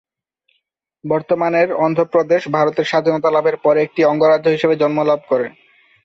বর্তমানের অন্ধ্রপ্রদেশ ভারতের স্বাধীনতা লাভের পরে একটি অঙ্গরাজ্য হিসেবে জন্মলাভ করে।